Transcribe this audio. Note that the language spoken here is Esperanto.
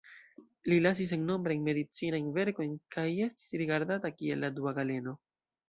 Li lasis sennombrajn medicinajn verkojn kaj estis rigardata kiel la dua Galeno.